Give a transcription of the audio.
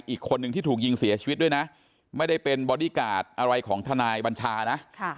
อีกคนนึงที่ถูกยิงเสียชีวิตด้วยนะไม่ได้เป็นบอดี้การ์ดอะไรของทนายบัญชานะ